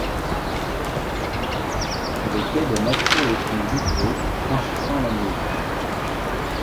Le quai donne accès au pont d'Ougrée franchissant la Meuse.